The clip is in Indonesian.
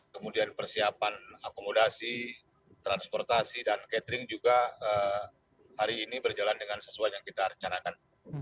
kemudian persiapan akomodasi transportasi dan catering juga hari ini berjalan dengan sesuai yang kita rencanakan